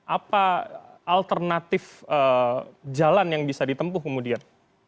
apa alternatif jalan yang bisa ditempuh kemudian